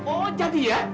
oh jadi ya